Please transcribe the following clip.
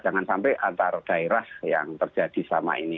jangan sampai antar daerah yang terjadi selama ini